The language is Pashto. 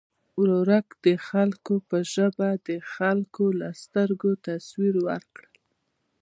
ورورک د خلکو په ژبه د خلکو له سترګو تصویر ورکړ.